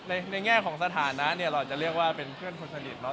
ในแง่ของสถานะเนี่ยเราจะเรียกว่าเป็นเพื่อนคนสนิทเนาะ